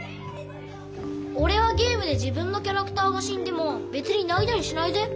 おれはゲームで自分のキャラクターがしんでもべつにないたりしないぜ。なあ？